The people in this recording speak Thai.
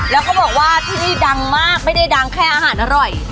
แล้วเขาบอกว่าที่นี่ดังมากไม่ได้ดังแค่อาหารอร่อย